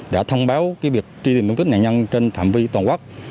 đã thông báo cái việc tri tìm tung tích nạn nhân trên phạm vi toàn quốc